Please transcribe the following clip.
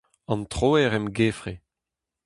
An troer emgefre.